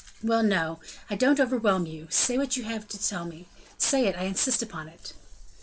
"Well, no, I don't overwhelm you; say what you have to tell me say it, I insist upon it."